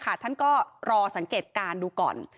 เพราะฉะนั้นก็รอสังเกตการณ์ดูก่อน